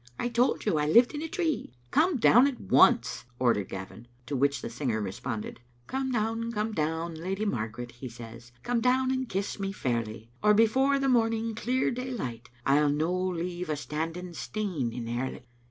"I told you I lived in a tree." "Comedown at once," ordered Gavin. To which the singer responded— "*Come down, come down. Lady Margaret, * he says; *Come down and kiss me fairly Or before the morning clear day light rU no leave a standing stane in Airly.